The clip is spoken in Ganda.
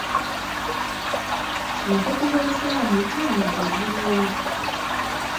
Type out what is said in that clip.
Empagi z'Obusiraamu ettaano ze ziri wa?